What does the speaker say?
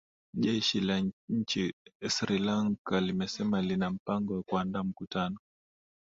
jeshii la nchini sri lanka limesema lina mpango wa kuandaa mkutano